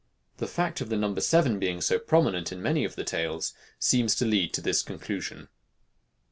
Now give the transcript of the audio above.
The fact of the number seven being so prominent in many of the tales, seems to lead to this conclusion.